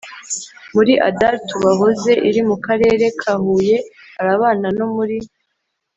Muri adar tubahoze iri mu karere ka huye hari abana no muri